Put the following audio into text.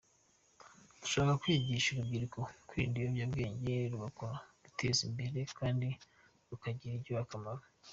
Dushaka kwigisha urubyiruko kwirinda ibiyobyabwenge, rugakora rukiteza imbere kandi rukagirira igihugu akamaro.